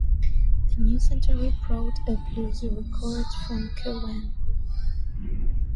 The new century brought a blues record from Cowan.